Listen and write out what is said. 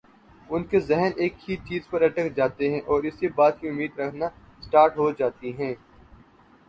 ان کے ذہن ایک ہی چیز پر اٹک جاتے ہیں اور اسی بات کی امید رکھنا اسٹارٹ ہو جاتی ہیں